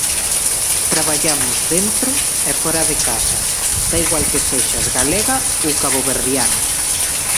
Traballamos dentro e fóra de casa, dá igual que sexas galega ou caboverdiana.